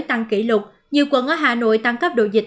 tăng kỷ lục nhiều quận ở hà nội tăng cấp độ dịch